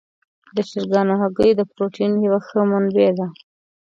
د چرګانو هګۍ د پروټین یوه ښه منبع ده.